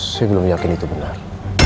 saya belum yakin itu benar